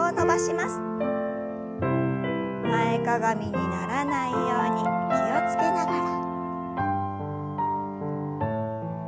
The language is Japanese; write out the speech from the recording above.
前かがみにならないように気を付けながら。